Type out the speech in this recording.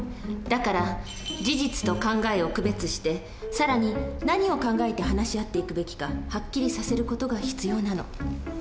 だから事実と考えを区別してさらに何を考えて話し合っていくべきかハッキリさせる事が必要なの。